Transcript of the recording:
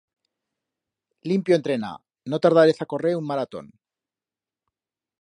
Limpio entrenar! No tardarez a correr un maratón.